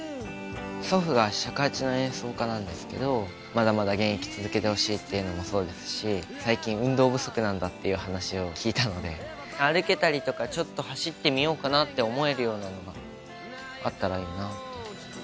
祖父が尺八の演奏家なんですけどまだまだ現役続けてほしいっていうのもそうですし最近運動不足なんだっていう話を聞いたので歩けたりとかちょっと走ってみようかなって思えるようなのがあったらいいなって。